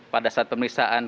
pada saat pemeriksaan